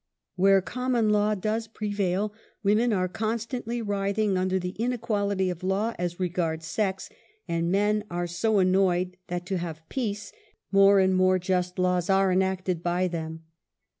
Where common law does prevail, women are con stantly writhing under the inequality of law as re gards sex, and men are so annoyed that to have peace, UNMASKED. more and more j ust laws are enacted by them.